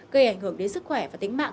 gây ảnh hưởng đến sức khỏe và tính mạng